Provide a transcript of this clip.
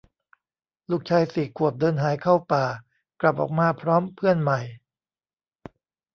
ลูกชาย สี่ ขวบ เดินหายเข้าป่า กลับออกมาพร้อมเพื่อนใหม่